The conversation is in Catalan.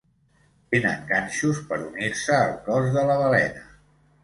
Tenen ganxos per unir-se al cos de la balena.